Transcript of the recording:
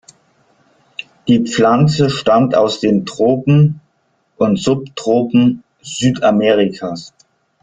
Die Pflanze stammt aus den Tropen und Subtropen Südamerikas.